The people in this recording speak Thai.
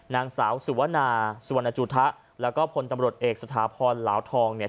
นางสาวสุวนาสุวรรณจุธะแล้วก็พลตำรวจเอกสถาพรเหลาทองเนี่ย